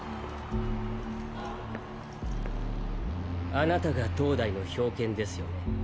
あなたが当代の冰剣ですよね？